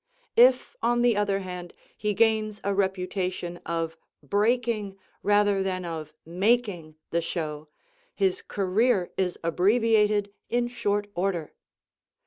If, on the other hand, he gains a reputation of "breaking" rather than of "making" the show, his career is abbreviated in short order.